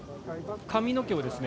髪の毛をですね